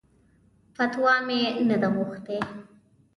فتوا مې نه ده غوښتې.